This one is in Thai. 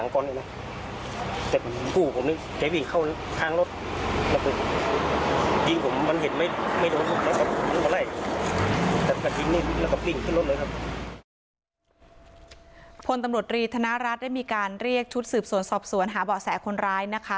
คนตำรวจรีธนรัฐได้มีการเรียกชุดสืบสวนสอบสวนหาเบาะแสคนร้ายนะคะ